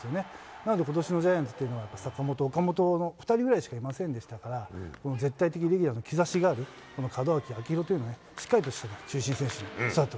なのでことしのジャイアンツっていうのは、坂本、岡本の２人くらいしかいませんでしたから、この絶対的レギュラーの兆しがある、この門脇、秋広というのに、しっかりとした中心選